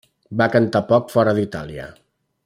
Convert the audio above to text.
Va cantar poc fora d'Itàlia.